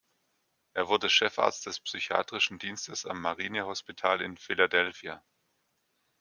Er wurde Chefarzt des psychiatrischen Dienstes am Marine Hospital in Philadelphia.